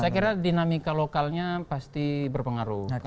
saya kira dinamika lokalnya pasti berpengaruh